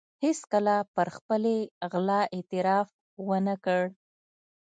هېڅکله پر خپلې غلا اعتراف و نه کړ.